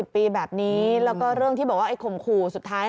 ปีแบบนี้แล้วก็เรื่องที่บอกว่าไอ้ข่มขู่สุดท้าย